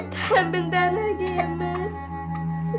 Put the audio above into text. tahan bentar lagi ya mas